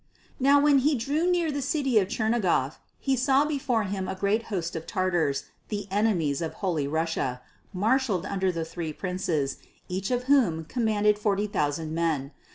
Now when he drew near to the city of Chernigof, he saw before him a great host of Tatars, the enemies of Holy Russia, marshalled under three princes, each of whom commanded forty thousand men.